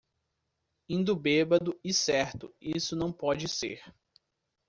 Indo bêbado e certo, isso não pode ser.